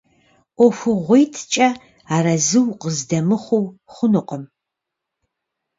ӀуэхугъуитӀкӀэ арэзы укъыздэмыхъуу хъунукъым.